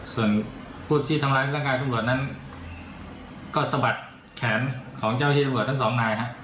ส่วนผู้ที่ทำร้ายร่างกายตำรวจนั้นก็สะบัดแขนของเจ้าที่ตำรวจทั้งสองนายฮะ